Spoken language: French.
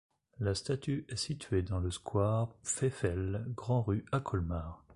La statue est situé dans le square Pfeffel, Grand-Rue à Colmar.